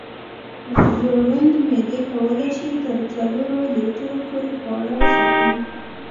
زړوند معدې کولی شي تر څلورو لیټرو پورې خواړه وساتي.